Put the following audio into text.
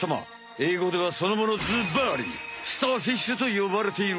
えいごではそのものずばりスターフィッシュとよばれている。